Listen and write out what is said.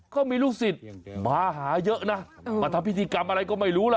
ก็มีลูกศิษย์มาหาเยอะนะมาทำพิธีกรรมอะไรก็ไม่รู้ล่ะ